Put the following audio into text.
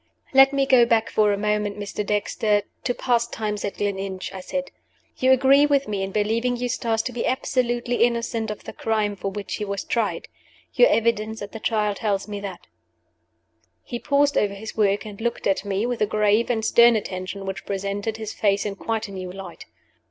"Let me go back for a moment, Mr. Dexter, to past times at Gleninch," I said. "You agree with me in believing Eustace to be absolutely innocent of the crime for which he was tried. Your evidence at the Trial tells me that." He paused over his work, and looked at me with a grave and stern attention which presented his face in quite a new light.